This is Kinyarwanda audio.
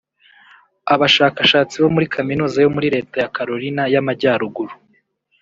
Abashakashatsi bo muri Kaminuza yo muri Leta ya Carolina y’Amajyaruguru